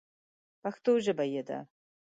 پښتو ژبه یې ده.